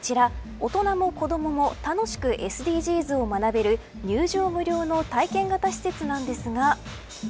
大人も子どもも楽しくＳＤＧｓを学べる入場無料の体験型施設なんですが。